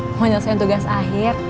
mau nyelesain tugas akhir